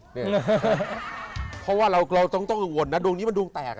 เพราะว่าเราต้องกังวลนะดวงนี้มันดวงแตก